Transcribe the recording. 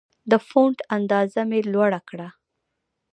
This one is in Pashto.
د فونټ اندازه مې لوړه کړه.